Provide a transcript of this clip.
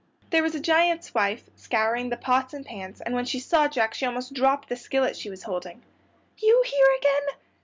There was the giant's wife scouring the pots and pans, and when she saw Jack she almost dropped the skillet she was holding. "You here again?"